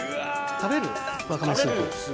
食べるワカメスープ。